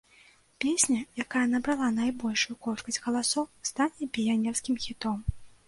Песня, якая набрала найбольшую колькасць галасоў, стане піянерскім хітом.